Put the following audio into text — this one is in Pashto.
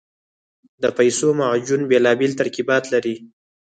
د پیسو معجون بېلابېل ترکیبات لري.